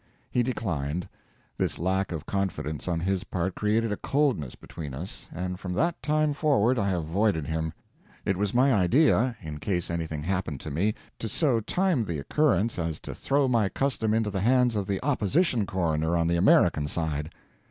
He declined. This lack of confidence on his part created a coldness between us, and from that time forward I avoided him. It was my idea, in case anything happened to me, to so time the occurrence as to throw my custom into the hands of the opposition coroner on the American side.